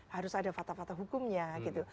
harus ada fakta fakta hukumnya gitu